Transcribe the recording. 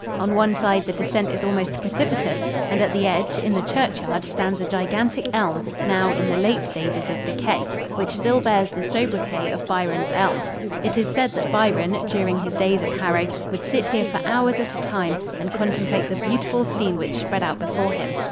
On one side the descent is almost precipitous, and at the edge, in the churchyard, stands a gigantic elm now in the late stages of decay which still bears the sobriquet of "Byron's Elm." It is said that Byron, during his days at Harrow, would sit here for hours at a time and contemplate the beautiful scene which spread out before him.